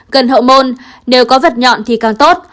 cần hậu môn nếu có vật nhọn thì càng tốt